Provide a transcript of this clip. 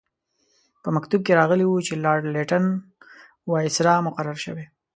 په مکتوب کې راغلي وو چې لارډ لیټن وایسرا مقرر شوی.